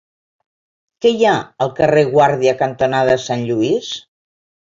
Què hi ha al carrer Guàrdia cantonada Sant Lluís?